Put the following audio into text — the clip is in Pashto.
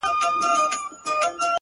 د هجرت غوټه تړمه روانېږم’